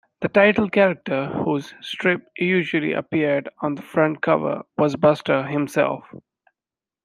The title character, whose strip usually appeared on the front cover, was Buster himself.